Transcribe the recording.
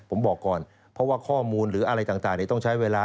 ผมบอกก่อนเพราะว่าข้อมูลหรืออะไรต่างต้องใช้เวลา